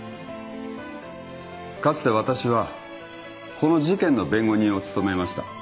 かつて私はこの事件の弁護人を務めました。